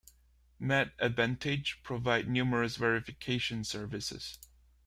Med Advantage provide numerous verification services.